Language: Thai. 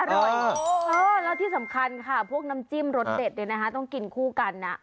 อร่อยแล้วที่สำคัญค่ะพวกน้ำจิ้มรสเด็ดเนี่ยนะคะต้องกินคู่กันนะ